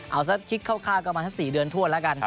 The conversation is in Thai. เอาสักคลิกข้าวก็มาสักสี่เดือนถ้วนแล้วกัน